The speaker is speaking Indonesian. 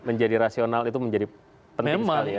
menjadi rasional itu menjadi penting sekali ya